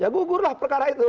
ya gugur lah perkara itu